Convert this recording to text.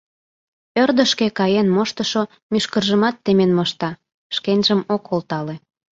Ӧрдыжкӧ каен моштышо мӱшкыржымат темен мошта, шкенжым ок олтале...